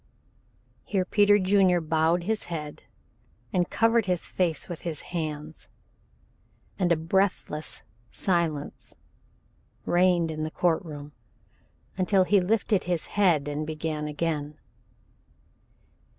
Here Peter Junior bowed his head and covered his face with his hands, and a breathless silence reigned in the court room until he lifted his head and began again.